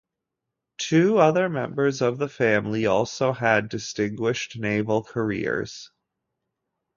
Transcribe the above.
Two other members of the family also had distinguished naval careers.